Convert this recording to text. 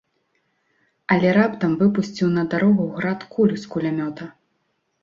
Але раптам выпусціў на дарогу град куль з кулямёта.